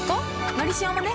「のりしお」もね